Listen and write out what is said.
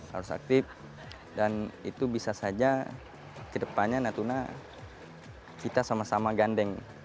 harus aktif dan itu bisa saja ke depannya natuna kita sama sama gandeng